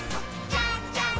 じゃんじゃん！